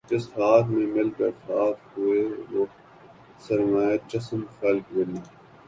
جس خاک میں مل کر خاک ہوئے وہ سرمۂ چشم خلق بنی